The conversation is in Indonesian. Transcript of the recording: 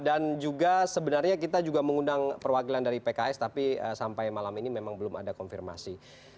dan juga sebenarnya kita juga mengundang perwakilan dari pks tapi sampai malam ini memang belum ada konfirmasi